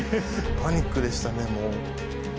パニックでしたねもう。